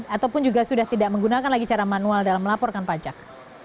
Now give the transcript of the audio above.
ataupun juga sudah tidak menggunakan lagi cara manual dalam melaporkan pajak